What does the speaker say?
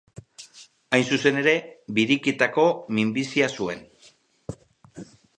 Hain zuzen ere, biriketako minbizia zuen.